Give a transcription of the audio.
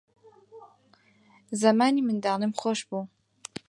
زەمانی منداڵیم خۆش بوو